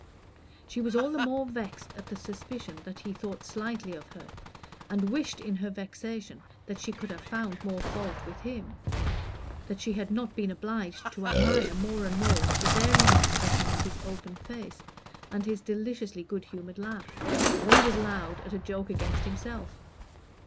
She was all the more vexed at the suspicion that he thought slightly of her; and wished in her vexation that she could have found more fault with him that she had not been obliged to admire more and more the varying expressions of his open face and his deliciously good humored laugh, always loud at a joke against himself.